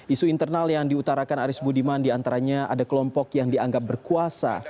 isu internal yang diutarakan aris budiman diantaranya ada kelompok yang dianggap berkuasa